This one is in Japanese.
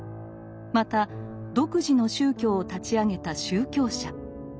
また独自の宗教を立ち上げた宗教者。